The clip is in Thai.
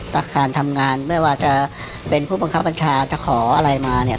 ประธานทำงานไม่ว่าจะเป็นผู้บังคับบัญชาจะขออะไรมาเนี่ย